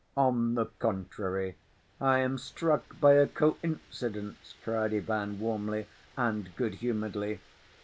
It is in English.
"On the contrary, I am struck by a coincidence," cried Ivan, warmly and good‐humoredly.